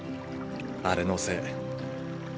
あれのせい。